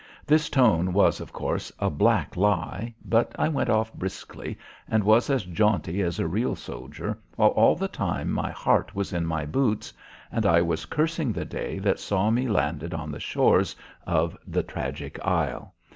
This tone was of course a black lie, but I went off briskly and was as jaunty as a real soldier while all the time my heart was in my boots and I was cursing the day that saw me landed on the shores of the tragic isle.